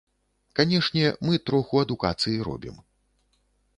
Канешне, мы троху адукацыі робім.